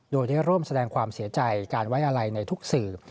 โดยได้ร่วมแสดงความเสียใจการไว้อะไรในทุกสื่อ